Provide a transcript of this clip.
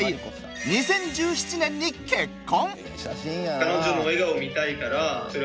２０１７年に結婚。